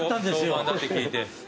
評判だって聞いて。